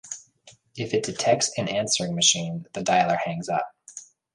If it detects an answering machine, the dialer hangs up.